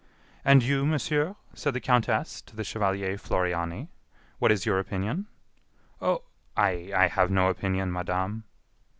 "And you, monsieur," said the countess to the chevalier Floriani, "what is your opinion?" "Oh! I I have no opinion, madame."